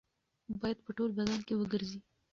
باید په ټول بدن کې وګرځي.